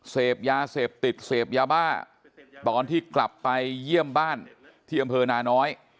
เสพยาเสพติดเสพยาบ้าตอนที่กลับไปเยี่ยมบ้านที่อำเภอนาน้อย